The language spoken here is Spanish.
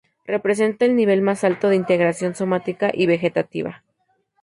Representa el nivel más alto de integración somática y vegetativa.